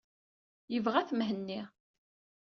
Yebɣa-t Mhenni.